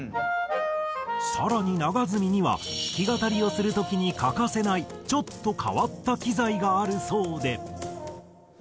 更に永積には弾き語りをする時に欠かせないちょっと変わった機材があるそうで。